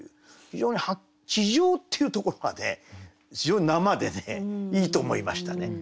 非常に「地上」っていうところがねいいと思いましたね。